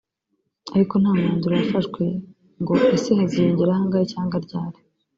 ariko nta mwanzuro wafashwe ngo ese haziyongeraho angahe cyangwa ryari